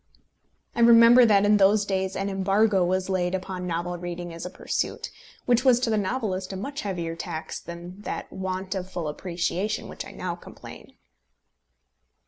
I remember that in those days an embargo was laid upon novel reading as a pursuit, which was to the novelist a much heavier tax than that want of full appreciation of which I now complain.